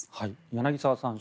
柳澤さん